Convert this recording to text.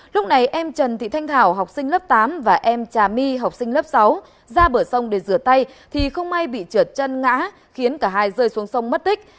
lúc này em trần thị thanh thảo học sinh lớp tám và em trà my học sinh lớp sáu ra bờ sông để rửa tay thì không may bị trượt chân ngã khiến cả hai rơi xuống sông mất tích